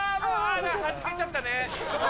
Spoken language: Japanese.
あはじけちゃったね。